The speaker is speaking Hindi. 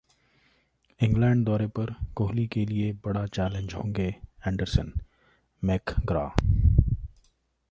इंग्लैंड दौरे पर कोहली के लिए बड़ा चैलेंज होंगे एंडरसन: मैकग्रा